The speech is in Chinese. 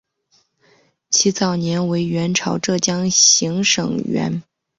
其早年为元朝浙江行省掾。